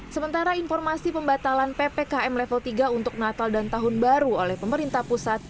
sementara informasi pembatalan ppkm level tiga untuk natal dan tahun baru oleh pemerintah pusat